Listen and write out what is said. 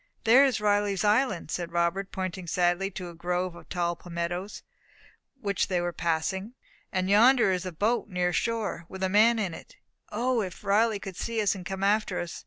"There is Riley's Island!" said Robert, pointing sadly to a grove of tall palmettoes, which they were passing. "And yonder is a boat, near shore, with a man in it. O, if Riley could see us, and come after us!